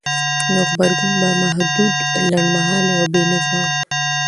نو غبرګون به محدود، لنډمهالی او بېنظمه وای؛